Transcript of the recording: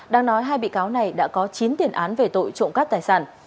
đang nói hai bị cáo này đã có chín tiền án về tội trộm cắp tài sản